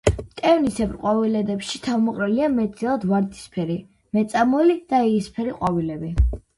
მტევნისებრ ყვავილედებში თავმოყრილია მეტწილად ვარდისფერი, მეწამული და იისფერი ყვავილები.